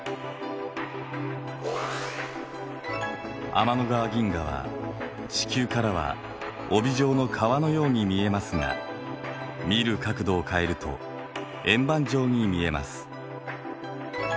天の川銀河は地球からは帯状の川のように見えますが見る角度を変えると円盤状に見えます。